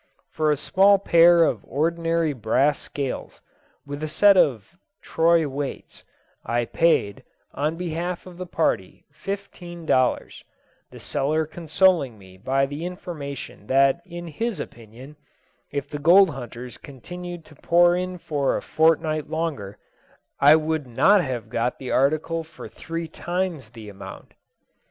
For a small pair of ordinary brass scales, with a set of troy weights, I paid, on behalf of the party, fifteen dollars, the seller consoling me by the information that in his opinion, if the gold hunters continued to pour in for a fortnight longer, I would not have got the article for three times the amount.